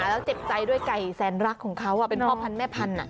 แล้วเจ็บใจด้วยไก่แสนรักของเขาเป็นพ่อพันธุแม่พันธุ